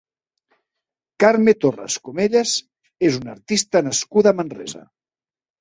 Carme Torras Comellas és una artista nascuda a Manresa.